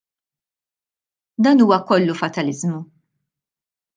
Dan huwa kollu fataliżmu!